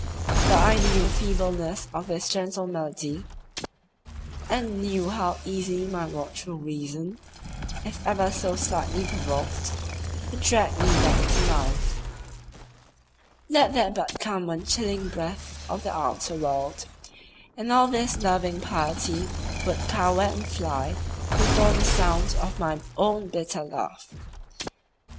But I knew the feebleness of this gentle malady, and knew how easily my watchful reason, if ever so slightly provoked, would drag me back to life. Let there but come one chilling breath of the outer world, and all this loving piety would cower and fly before the sound of my own bitter laugh.